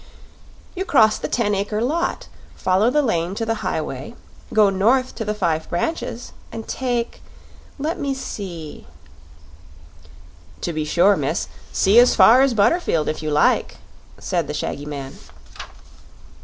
"You cross the ten acre lot, follow the lane to the highway, go north to the five branches, and take let me see " "To be sure, miss; see as far as Butterfield, if you like," said the shaggy man.